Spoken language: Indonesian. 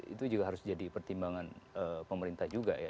itu juga harus jadi pertimbangan pemerintah juga ya